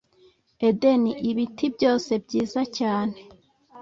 Edeni e ibiti byose byiza cyane